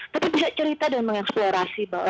tapi bisa cerita dan mengeksplorasi bahwa